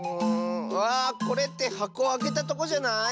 あこれってはこをあけたとこじゃない？